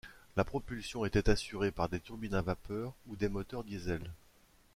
La propulsion était assurée par des turbines à vapeur ou des moteurs Diesel.